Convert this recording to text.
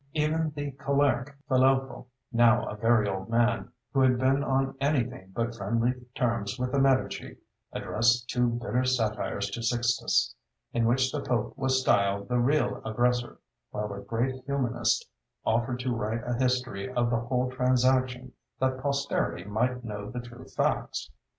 Even the choleric Filelfo, now a very old man, who had been on anything but friendly terms with the Medici, addressed two bitter satires to Sixtus, in which the Pope was styled the real aggressor, while the great humanist offered to write a history of the whole transaction, that posterity might know the true facts.